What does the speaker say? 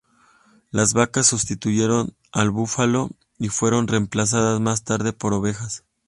Las vacas sustituyeron al búfalo, y fueron reemplazadas más tarde por ovejas.